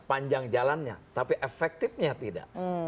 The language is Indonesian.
panjang jalannya tapi efektifnya tidak